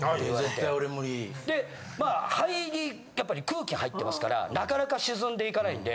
絶対俺無理。でまあ肺にやっぱり空気入ってますからなかなか沈んでいかないんで。